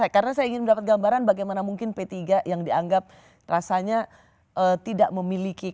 karena saya ingin mendapat gambaran bagaimana mungkin p tiga yang dianggap rasanya tidak memiliki karakter